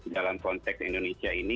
dalam konteks indonesia ini